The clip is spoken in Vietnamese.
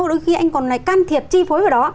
đôi khi anh còn lại can thiệp chi phối ở đó